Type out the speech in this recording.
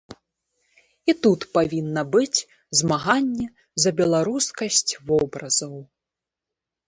І тут павінна быць змаганне за беларускасць вобразаў.